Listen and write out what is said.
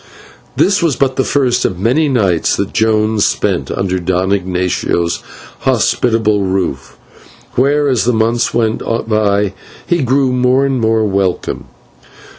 This was but the first of many nights that Jones spent under Don Ignatio's hospitable roof, where, as the months went by, he grew more and more welcome.